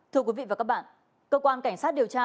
thưa quý vị và các bạn cơ quan cảnh sát điều tra